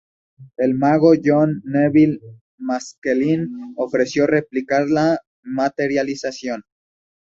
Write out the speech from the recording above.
El mago John Nevil Maskelyne ofreció replicar la materialización.